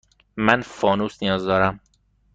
من فانوس نیاز دارم.